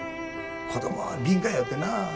子供は敏感やよってな。